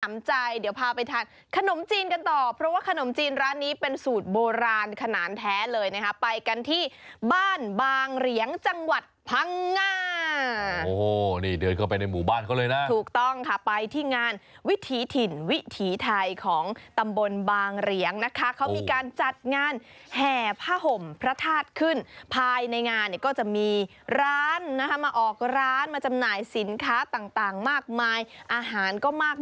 เดี๋ยวพาไปทานขนมจีนกันต่อเพราะว่าขนมจีนร้านนี้เป็นสูตรโบราณขนาดแท้เลยนะคะไปกันที่บ้านบางเหรียงจังหวัดพังงาโอ้โหนี่เดินเข้าไปในหมู่บ้านเขาเลยนะถูกต้องค่ะไปที่งานวิถีถิ่นวิถีไทยของตำบลบางเหรียงนะคะเขามีการจัดงานแห่ผ้าห่มพระธาตุขึ้นภายในงานเนี่ยก็จะมีร้านนะคะมาออกร้านมาจำหน่ายสินค้าต่างมากมายอาหารก็มาก